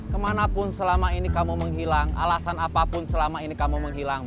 kemanapun selama ini kamu menghilang alasan apapun selama ini kamu menghilang